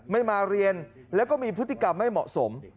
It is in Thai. ไม่มาเรียนแล้วก็มีพฤติกรรมไม่เหมาะสม